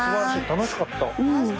楽しかった。